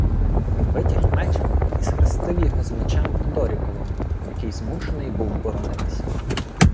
Він витяг меч і схрестив його з Мечем Тодоріковим, який змушений був боронитися.